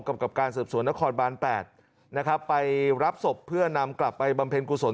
กับการสืบสวนนครบาน๘นะครับไปรับศพเพื่อนำกลับไปบำเพ็ญกุศล